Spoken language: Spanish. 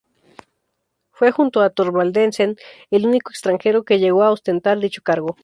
Fue, junto a Thorvaldsen, el único extranjero que llegó a ostentar dicho cargo.